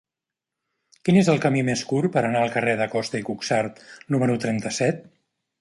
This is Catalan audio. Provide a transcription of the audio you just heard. Quin és el camí més curt per anar al carrer de Costa i Cuxart número trenta-set?